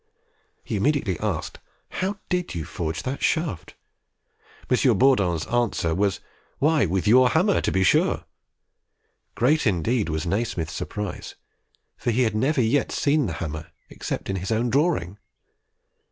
He immediately asked, "How did you forge that shaft?" M. Bourdon's answer was, "Why, with your hammer, to be sure!" Great indeed was Nasmyth's surprise; for he had never yet seen the hammer, except in his own drawing!